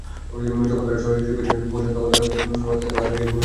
যখন তারা শৈলশীলার কাছে পৌঁছলেন, তখন তারা তাতে মাথা রেখে ঘুমিয়ে পড়লেন।